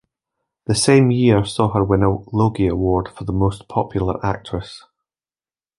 That same year saw her win the Logie Award for "Most Popular Actress".